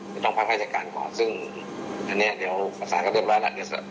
จะต้องภารกิจการก่อนซึ่งอันเนี้ยเดี๋ยวประสานก็เรียบร้อยแล้ว